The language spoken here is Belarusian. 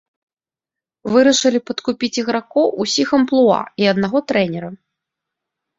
Вырашылі падкупіць ігракоў усіх амплуа і аднаго трэнера.